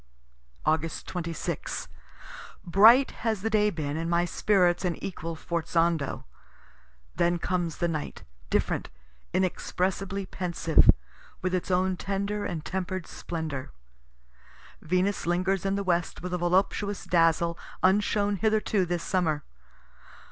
Aug. 26. Bright has the day been, and my spirits an equal forzando. Then comes the night, different, inexpressibly pensive, with its own tender and temper'd splendor. Venus lingers in the west with a voluptuous dazzle unshown hitherto this summer.